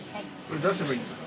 出せばいいんですか？